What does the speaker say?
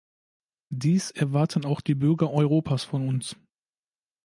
Dies erwarten auch die Bürger Europas von uns.